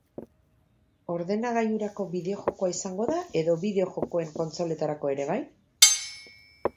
Ordenagailurako bideo-jokoa izango da edo bideo-jokoen kontsoletarako ere bai?